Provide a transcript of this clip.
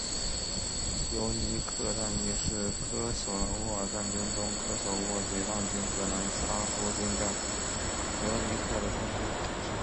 尤尼克战役是科索沃战争中科索沃解放军和南斯拉夫军在尤尼克的冲突。